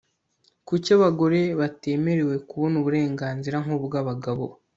kuki abagore batemerewe kubona uburenganzira nkubw'abagabo